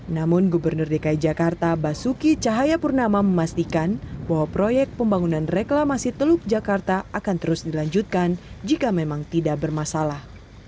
namun gubernur dki jakarta basuki cahayapurnama memastikan bahwa proyek pembangunan reklamasi teluk jakarta akan terus dilanjutkan jika memang tidak bermasalah